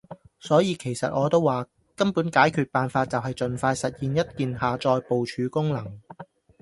所以其實我都話，根本解決辦法就係儘快實現一鍵下載部署功能